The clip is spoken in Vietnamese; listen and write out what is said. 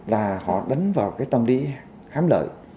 là họ đánh vào cái tâm lý khám lợi